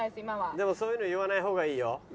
でもそういうの言わない方がいいよ。